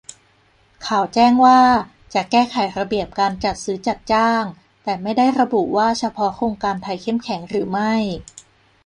ข่าวแจ้งว่า จะแก้ไขระเบียบการจัดซื้อจัดจ้าง แต่ไม่ได้ระบุว่าเฉพาะโครงการไทยเข้มแข็งหรือไม่